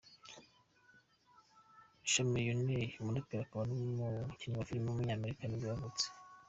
Chamillionaire, umuraperi akaba n’umukinnyi wa filime w’umunyamerika nibwo yavutse.